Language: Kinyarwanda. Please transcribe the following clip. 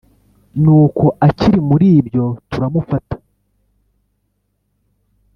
nuko akiri muri ibyo turamufata